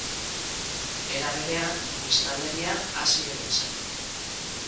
Era berean, biztanleria hazi egin zen.